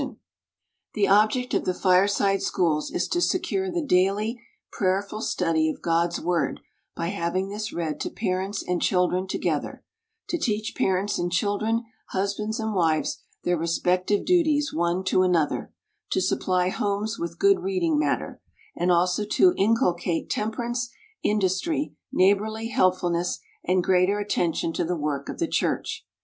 6 WOMEN OF ACHIEVEMENT The object of the Fireside Schools is to secure the daily prayerful study of God's word by having this read to parents and children together ; to teach parents and chil dren, husbands and wives, their respective duties one to another ; to supply homes with good reading matter; and also to inculcate temperance, industry, neighborly helpful ness, and greater attention to the work of the church.